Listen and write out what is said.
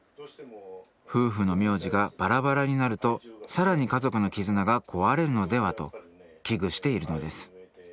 夫婦の名字がバラバラになるとさらに家族の絆が壊れるのではと危惧しているのです